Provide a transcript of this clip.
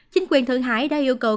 chính quyền thượng hải đã yêu cầu